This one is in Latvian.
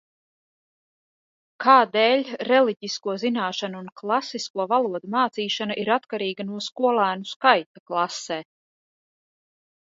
Kādēļ reliģisko zināšanu un klasisko valodu mācīšana ir atkarīga no skolēnu skaita klasē?